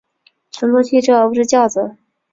乘坐汽车而不是轿子